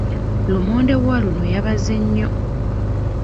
Lumonde wa luno yabaze nnyo.